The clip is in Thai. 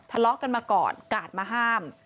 ทะเลาะกันมาก่อนกาดมาห้าม